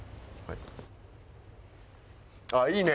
はい。